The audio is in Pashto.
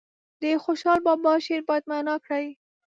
د خوشحال بابا شعر باید معنا کړي.